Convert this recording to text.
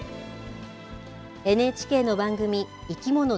ＮＨＫの番組、生きもの